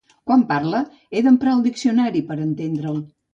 Quan em parla he d'emprar el diccionari per entendre'l.